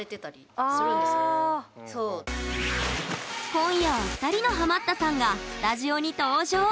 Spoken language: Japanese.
今夜は２人のハマったさんがスタジオに登場。